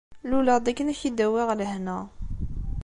Luleɣ-d akken ad k-id-awiɣ lehna.